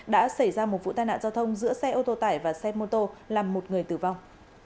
đã xảy ra một vụ tai nạn giao thông giữa xe ô tô tải và xe mô tô làm một người tử vong